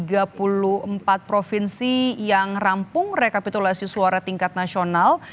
dan ada dua puluh empat provinsi yang rampung rekapitulasi suara tingkat nasional